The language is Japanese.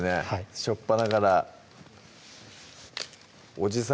初っぱなからおじさん